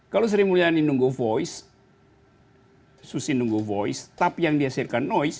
kalau sri mulyani nunggu voice susi nunggu voice tapi yang dihasilkan noise